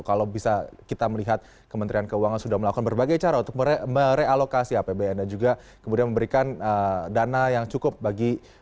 kalau bisa kita melihat kementerian keuangan sudah melakukan berbagai cara untuk merealokasi apbn dan juga kemudian memberikan dana yang cukup bagi